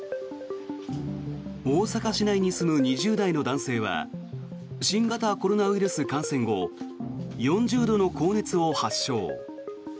大阪市内に住む２０代の男性は新型コロナウイルス感染後４０度の高熱を発症。